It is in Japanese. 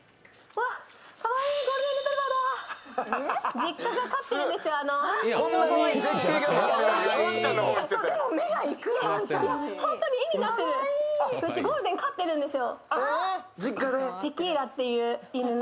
実家で飼ってるんですよ。